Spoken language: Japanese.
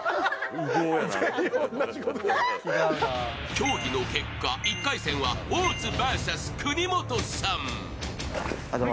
協議の結果、１回戦は大津ＶＳ国本さん。